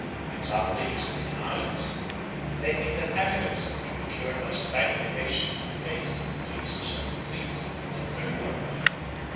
In some of the East Indian islands they think that epilepsy can be cured by striking the patient on the face with the leaves of certain trees and then throwing them away.